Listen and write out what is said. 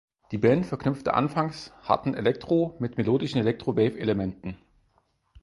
Die Band verknüpfte anfangs harten Elektro mit melodischen Electro-Wave-Elementen.